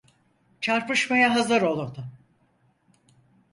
Çarpışmaya hazır olun!